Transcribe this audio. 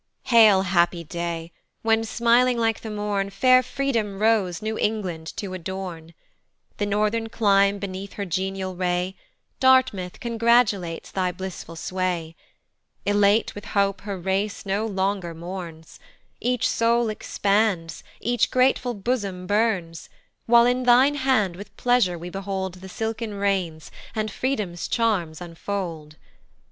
HAIL, happy day, when, smiling like the morn, Fair Freedom rose New England to adorn: The northern clime beneath her genial ray, Dartmouth, congratulates thy blissful sway: Elate with hope her race no longer mourns, Each soul expands, each grateful bosom burns, While in thine hand with pleasure we behold The silken reins, and Freedom's charms unfold.